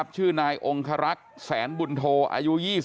ชื่อนายองคารักษ์แสนบุญโทอายุ๒๕